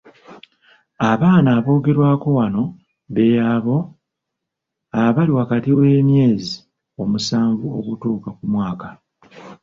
Abaana aboogerwako wano be abo abali wakati w’emyezi musanvu okutuuka ku mwaka .